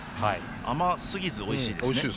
甘すぎずおいしいですね。